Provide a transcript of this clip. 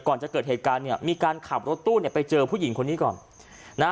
ก่อนจะเกิดเหตุการณ์เนี่ยมีการขับรถตู้เนี่ยไปเจอผู้หญิงคนนี้ก่อนนะฮะ